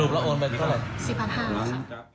แล้วโอนไปเท่าไหร่